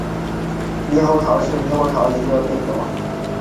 钝叶猕猴桃为猕猴桃科猕猴桃属下的一个变型。